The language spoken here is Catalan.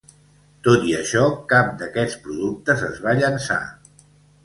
Tot i això, cap d'aquests productes es va llançar.